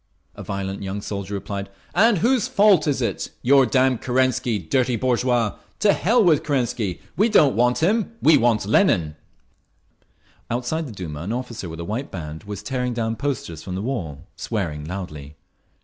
A violent young soldier replied. "And whose fault is it? Your damn Kerensky, dirty bourgeois! To hell with Kerensky! We don't want him! We want Lenin…." Outside the Duma an officer with a white arm band was tearing down posters from the wall, swearing loudly.